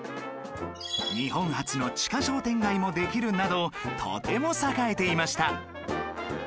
日本初の地下商店街もできるなどとても栄えていました